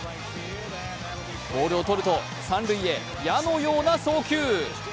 ボールを取ると、三塁へ矢のような送球。